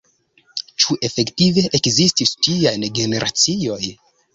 ĉu efektive ekzistis tiaj generacioj?